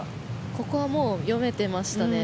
ここはもう読めてましたね。